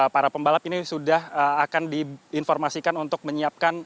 para pembalap ini sudah akan diinformasikan untuk menyiapkan